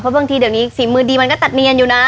บางทีเดี๋ยวนี้ฝีมือดีมันก็ตัดเนียนอยู่นะ